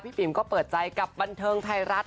ที่ว่าลูกใจกับบันเทิงถ่ายรัฐ